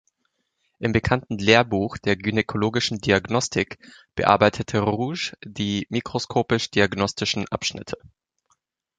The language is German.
Im bekannten "Lehrbuch der gynäkologischen Diagnostik" bearbeitete Ruge die mikroskopisch-diagnostischen Abschnitte.